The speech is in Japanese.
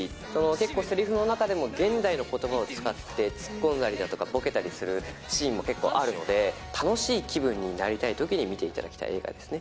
結構、せりふの中でも、現代のことばを使って突っ込んだりだとかボケたりするシーンも結構あるので、楽しい気分になりたいときに見ていただきたい映画ですね。